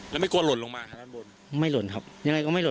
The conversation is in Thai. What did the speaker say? แล้วไม่กลัวหล่นลงมาครับด้านบนไม่หล่นครับยังไงก็ไม่หล